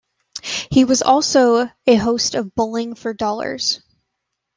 He was also a host of "Bowling for Dollars".